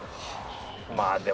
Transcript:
まあでも。